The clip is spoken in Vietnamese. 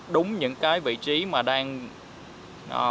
đúng những cái vị trí mà đang